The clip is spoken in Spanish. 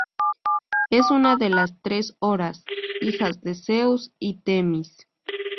Es una de las tres Horas, hijas de Zeus y Temis.